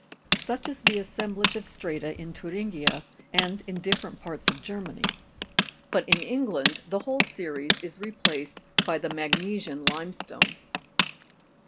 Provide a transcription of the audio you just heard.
Such is the assemblage of strata in Thuringia, and in different parts of Germany ; but in England the whole series is replaced by the magnesian limestone.